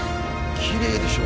きれいでしょ？